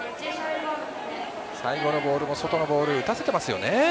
最後のボールも外のボールを打たせていますね。